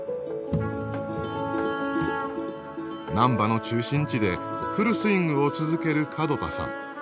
難波の中心地でフルスイングを続ける門田さん。